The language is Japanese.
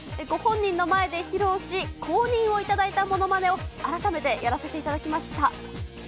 ご本人の前で披露し、公認を頂いたものまねを、改めてやらせていただきました。